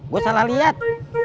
gue salah liat